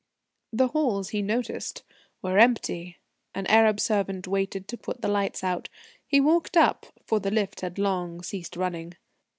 The halls, he noticed, were empty; an Arab servant waited to put the lights out. He walked up, for the lift had long ceased running.